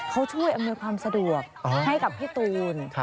เขาช่วยอำนวยความสะดวกให้กับพี่ตูน